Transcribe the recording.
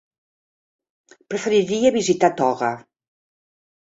Preferiria visitar Toga.